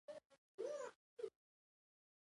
د الله عبادت زړونه روښانوي.